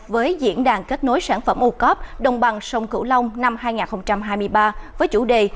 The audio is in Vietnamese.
với diễn đàn kết nối sản phẩm ô cớp đồng bằng sông cửu long năm hai nghìn hai mươi ba với chủ đề